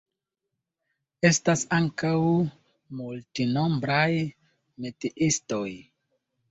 Estas ankaŭ multnombraj metiistoj.